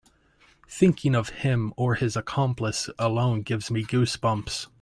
Thinking of him or his accomplice alone gives me goose bumps.